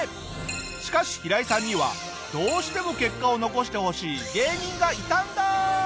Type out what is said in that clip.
しかしヒライさんにはどうしても結果を残してほしい芸人がいたんだ！